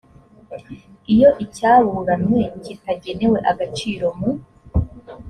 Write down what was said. iyo icyaburanwe kitagenewe agaciro mu